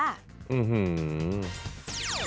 อื้อหือ